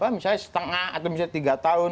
misalnya setengah atau misalnya tiga tahun